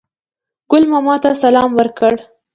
ګل ماما ته سلام ورکړ.